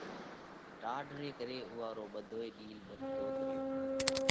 ٽاڍ ري ڪري اُوئا رو ٻڌوئي ڏِيل ڏڪتوت ريو